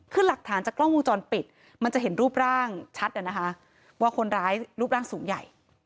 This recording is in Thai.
คือหลักฐานจากกล้องวงจรปิดมันจะเห็นรูปร่างชัดว่าคนร้ายรูปร่างสูงใหญ่